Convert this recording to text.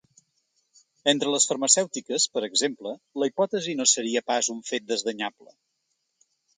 Entre les farmacèutiques, per exemple, la hipòtesi no seria pas un fet desdenyable.